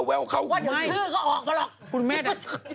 จากกระแสของละครกรุเปสันนิวาสนะฮะ